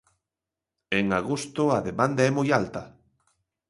En agosto a demanda é moi alta.